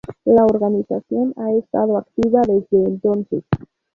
La organización ha estado activa desde entonces.